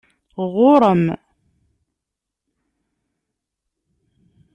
Ɣuṛ-m.